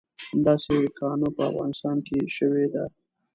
همداسې کانه په افغانستان کې شوې ده.